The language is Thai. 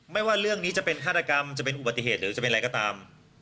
ว่าเรื่องนี้จะเป็นฆาตกรรมจะเป็นอุบัติเหตุหรือจะเป็นอะไรก็ตาม